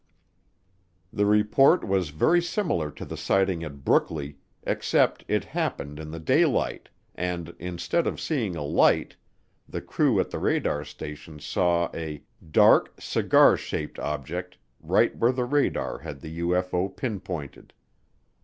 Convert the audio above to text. The report was very similar to the sighting at Brookley except it happened in the daylight and, instead of seeing a light, the crew at the radar station saw a "dark, cigar shaped object" right where the radar had the UFO pinpointed.